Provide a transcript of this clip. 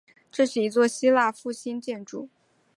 这是一座希腊复兴建筑。